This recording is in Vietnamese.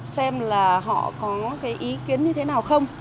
xem là họ có cái ý kiến như thế nào không